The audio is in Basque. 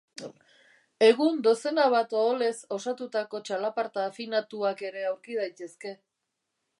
Egun dozena bat oholez osatutako txalaparta afinatuak ere aurki daitezke.